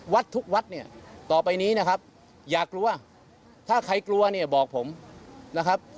วัดทุกวัดเนี่ยต่อไปนี้นะครับอย่ากลัวถ้าใครกลัวเนี่ยบอกผมนะครับ